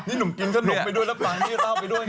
นี่หนุ่มกินก็หนุ่มไปด้วยแล้วป่าวนี่ราวไปด้วยนะ